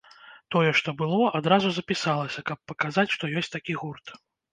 Тое, што было, адразу запісалася, каб паказаць, што ёсць такі гурт.